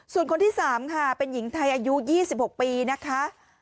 ส่วนคนที่๓ค่ะเป็นหญิงไทยอายุ๒๖ปีนะคะ